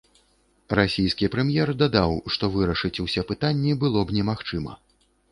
Расійскі прэм'ер дадаў, што вырашыць усе пытанні было б немагчыма.